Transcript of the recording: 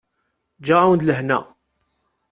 Ǧǧiɣ-awen-d lehna.